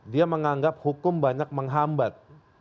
dia menganggap hukum banyak menghambat